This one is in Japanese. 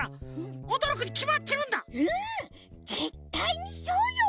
ぜったいにそうよ！